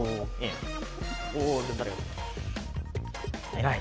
偉い！